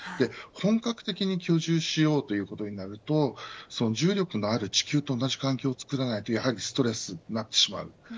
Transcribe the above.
本格的に居住しようということになると重力のある地球と同じ環境を作らないとやはりストレスになってしまう。